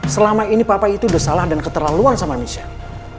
selama ini papa itu udah salah dan keterlaluan sama michelle